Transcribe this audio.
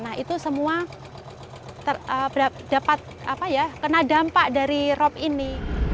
nah itu semua dapat kena dampak dari rop ini